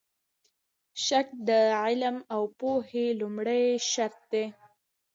شک د علم او پوهې لومړی شرط دی.